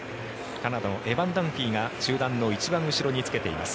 カナダのエバン・ダンフィーが集団の一番後ろにつけています。